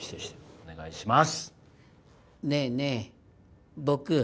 お願いします！